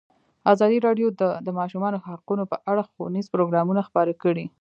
ازادي راډیو د د ماشومانو حقونه په اړه ښوونیز پروګرامونه خپاره کړي.